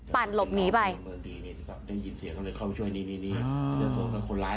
ปั่นหลบหนีไปได้ยินเสียงเขาเลยเข้ามาช่วยนี่นี่นี่